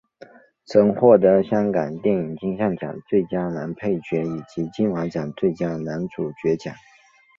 曾获得香港电影金像奖最佳男配角以及金马奖最佳男主角奖。